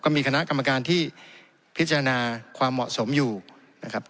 มีคณะกรรมการที่พิจารณาความเหมาะสมอยู่นะครับ